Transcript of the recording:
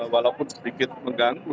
walaupun sedikit mengganggu